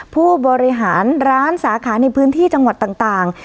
ผู้บริหารร้านสาขาในพื้นที่จังหวัดต่าง